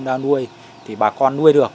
đang nuôi thì bà con nuôi được